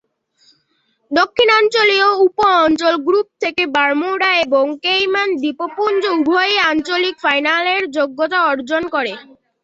দক্ষিণাঞ্চলীয় উপ-অঞ্চল গ্রুপ থেকে বারমুডা এবং কেইম্যান দ্বীপপুঞ্জ উভয়েই আঞ্চলিক ফাইনালের যোগ্যতা অর্জন করে।